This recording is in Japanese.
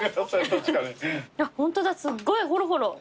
ホントだすっごいホロホロ。